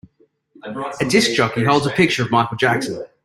A disk jockey holds a picture of Michael Jackson.